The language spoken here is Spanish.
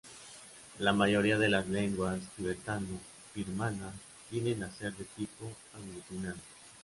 La mayoría de lenguas tibetano-birmanas tienden a ser de tipo aglutinante.